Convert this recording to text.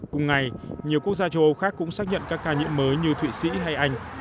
cùng ngày nhiều quốc gia châu âu khác cũng xác nhận các ca nhiễm mới như thụy sĩ hay anh